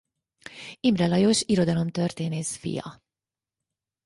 Imre Lajos irodalomtörténész fia.